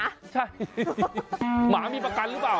ใช่หมามีประกันหรือเปล่า